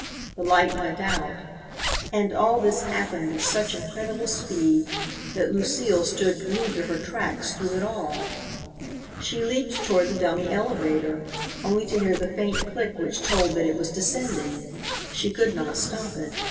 The light went out. And all this happened with such incredible speed that Lucile stood glued to her tracks through it all. She leaped toward the dummy elevator, only to hear the faint click which told that it was descending. She could not stop it.